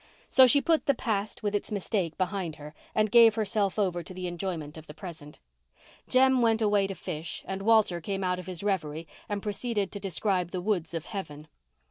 So she put the past with its mistake behind her and gave herself over to enjoyment of the present. Jem went away to fish and Walter came out of his reverie and proceeded to describe the woods of heaven.